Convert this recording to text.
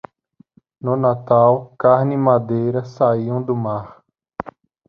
No Natal, carne e madeira saíam do mar.